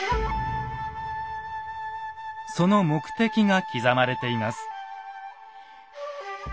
その目的が刻まれています。